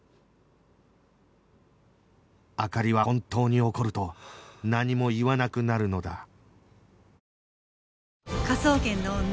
灯は本当に怒ると何も言わなくなるのだ